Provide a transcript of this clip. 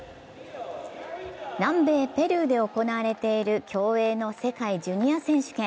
南米ペルーで行われている競泳の世界ジュニア選手権。